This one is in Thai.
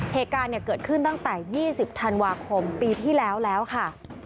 เหตุการณ์เกิดขึ้นตั้งแต่๒๐ธันวาคมปีที่แล้วแล้วค่ะ